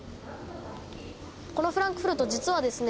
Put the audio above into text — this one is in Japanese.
このフランクフルト実はですね